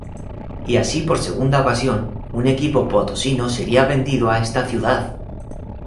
Y así por segunda ocasión un equipo potosino seria vendido a esta ciudad.